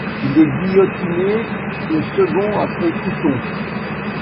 Il est guillotiné le second après Couthon.